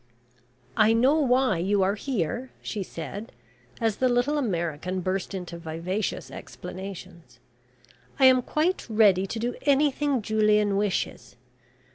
"I know why you are here," she said, as the little American burst into vivacious explanations. "I am quite ready to do anything Julian wishes.